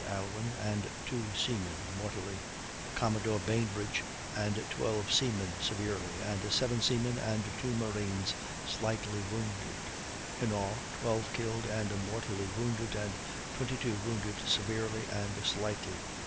Alwyn, and 2 seamen, mortally, Commodore Bainbridge and 12 seamen, severely, and 7 seamen and 2 marines, slightly wounded; in all 12 killed and mortally wounded, and 22 wounded severely and slightly.